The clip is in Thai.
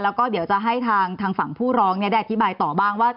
แล้วก็เดี๋ยวจะให้ทางฝั่งผู้ร้องได้อธิบายต่อบ้างว่า